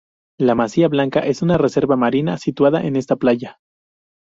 La Masía Blanca es una reserva marina situada en esta playa.